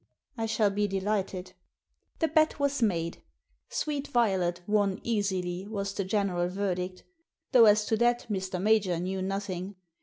« I shall be delighted." The bet was made. Sweet Violet won easily was the general verdict; though as to that Mr. Major knew nothing.